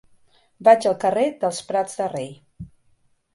Vaig al carrer dels Prats de Rei.